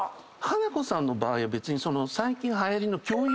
ハナコさんの場合は別に最近はやりの。